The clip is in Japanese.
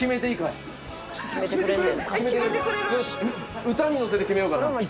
よし歌にのせて決めようかな。